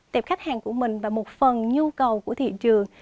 tệp khách hàng của mình và một phần nhu cầu của thị trường